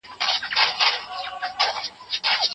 غویی 🐂